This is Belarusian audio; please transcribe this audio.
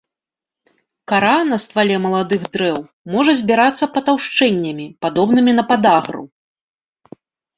Кара на ствале маладых дрэў можа збірацца патаўшчэннямі, падобнымі на падагру.